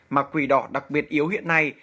mà quỳ đỏ đặc biệt yếu hiện nay